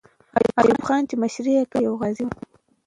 ایوب خان چې مشري یې کوله، یو غازی وو.